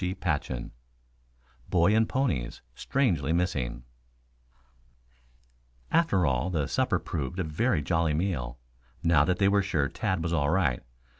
CHAPTER VII BOY AND PONIES STRANGELY MISSING After all, the supper proved a very jolly meal, now that they were sure Tad was all right.